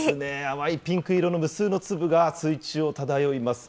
淡いピンク色の無数の粒が水中を漂います。